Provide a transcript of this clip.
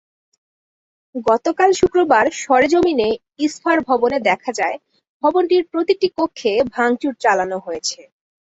গতকাল শুক্রবার সরেজমিনে ইসফার ভবনে দেখা যায়, ভবনটির প্রতিটি কক্ষে ভাঙচুর চালানো হয়েছে।